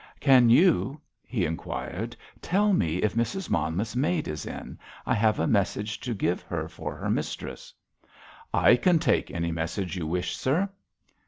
"Can you," he inquired, "tell me if Mrs. Monmouth's maid is in. I have a message to give her for her mistress." "I can take any message you wish, sir."